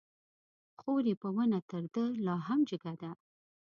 خور يې په ونه تر ده لا هم جګه ده